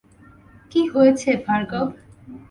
কী হয়েছে ভার্গব।